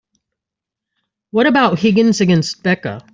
What about Higgins against Becca?